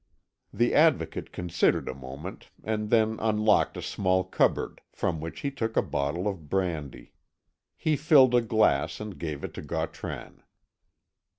The Advocate considered a moment, and then unlocked a small cupboard, from which he took a bottle of brandy. He filled a glass, and gave it to Gautran.